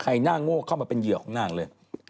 หน้าโง่เข้ามาเป็นเหยื่อของนางเลย